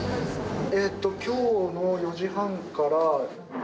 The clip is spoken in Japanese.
えっと今日の４時半から。